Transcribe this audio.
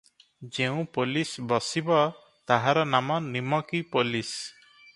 ଯେଉଁ ପୋଲିଶ ବସିବ, ତାହାର ନାମ ନିମକୀ ପୋଲିଶ ।